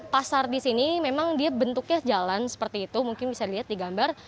pasar di sini memang dia bentuknya jalan seperti itu mungkin bisa dilihat di gambar